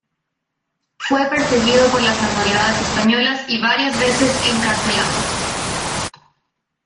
Fue perseguido por las autoridades españolas y varias veces encarcelado.